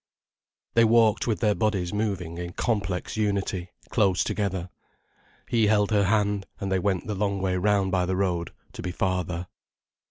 They walked with their bodies moving in complex unity, close together. He held her hand, and they went the long way round by the road, to be farther.